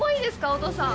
お父さん。